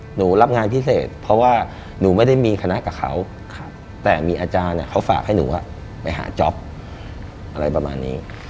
หนูรับงานพิเศษเพราะว่าหนูไม่ได้มีคณะกับเขาแต่มีอาจารย์เขาฝากให้หนูไปหาจ๊อปอะไรประมาณนี้